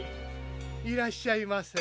・いらっしゃいませ。